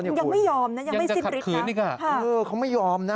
ยังไม่ยอมยังไม่สิดฤทธิ์